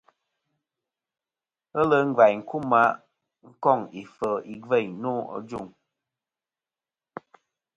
Ghelɨ ngvaynkuma koŋ ifel igveyn no.